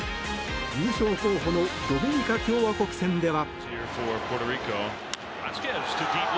優勝候補のドミニカ共和国戦では。